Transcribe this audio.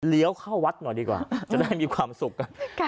เข้าวัดหน่อยดีกว่าจะได้มีความสุขกัน